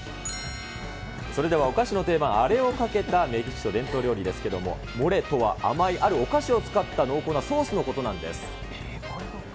それではお菓子の定番、あれをかけたメキシコ伝統料理ですけれども、モレとは甘いあるお菓子を使った濃厚なソースのことなんです。